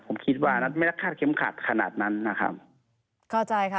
ผมคิดว่านั้นไม่รักฆาตเข็มขาดขนาดนั้นนะครับ